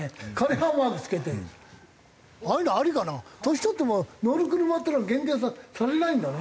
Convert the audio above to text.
年取っても乗る車っていうのは限定されないんだね。